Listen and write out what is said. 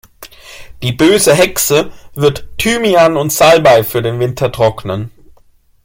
Die böse Hexe wird Thymian und Salbei für den Winter trocknen.